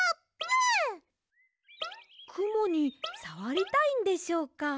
くもにさわりたいんでしょうか？